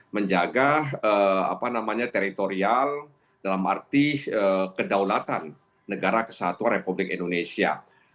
menjaga teritorial dalam arti kedaulatan negara kesatuan republik indonesia